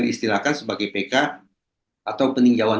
diistilahkan sebagai pk atau peninjauan